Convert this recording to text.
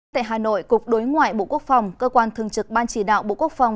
tại hà nội cục đối ngoại bộ quốc phòng cơ quan thường trực ban chỉ đạo bộ quốc phòng